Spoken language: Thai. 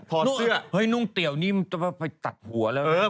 ทอเสื้อนุ่งเตี๋ยวนี่จะไปตัดหัวแล้ว